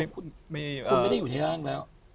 คุณไม่ได้อยู่ในร่างแล้ว